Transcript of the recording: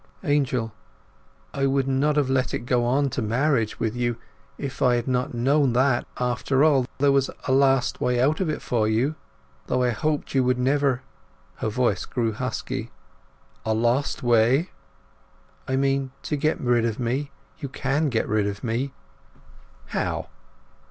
"Angel—I should not have let it go on to marriage with you if I had not known that, after all, there was a last way out of it for you; though I hoped you would never—" Her voice grew husky. "A last way?" "I mean, to get rid of me. You can get rid of me." "How?"